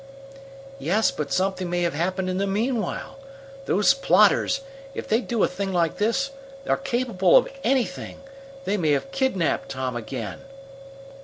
"Yes, but something may have happened in the meanwhile. Those plotters, if they'd do a thing like this, are capable of anything. They may have kidnapped Tom again."